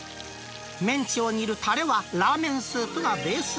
メンチを煮るたれはラーメンスープがベース。